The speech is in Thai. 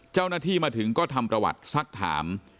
เจ้าหน้าที่มาถึงก็ทำประวัติสักถาม